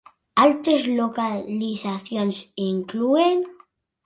Altres localitzacions inclouen: